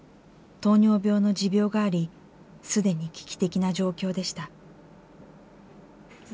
糖尿病の持病があり既に危機的な状況でした。